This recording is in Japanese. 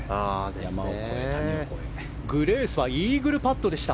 グレースはイーグルパットでした。